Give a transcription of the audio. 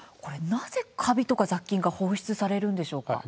なぜカビとか雑菌が放出されるんでしょうか。